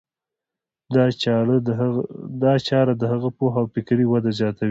دا چاره د هغه پوهه او فکري وده زیاتوي.